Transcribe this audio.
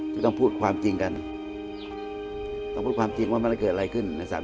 จะต้องพูดความจริงกันต้องพูดความจริงว่ามันเกิดอะไรขึ้นนะครับ